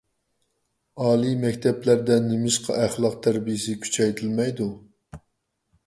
ئالىي مەكتەپلەردە نېمىشقا ئەخلاق تەربىيەسى كۈچەيتىلمەيدۇ؟